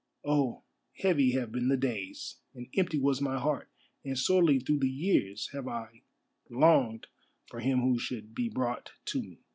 Oh, heavy have been the days, and empty was my heart, and sorely through the years have I longed for him who should be brought to me.